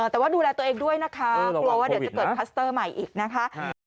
แต่ว่าดูแลตัวเองด้วยนะคะกลัวว่าเดี๋ยวจะเกิดคลัสเตอร์ใหม่อีกนะคะ